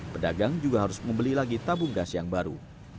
pedagang juga harus membeli lagi tabung gas yang baru